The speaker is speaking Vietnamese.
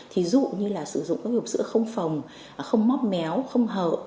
thì dụ như là sử dụng các hộp sữa không phồng không móc méo không hở